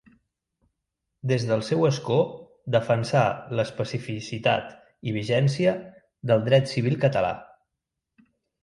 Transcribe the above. Des del seu escó defensà l'especificitat i vigència del dret civil català.